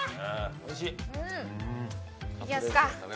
おいしい！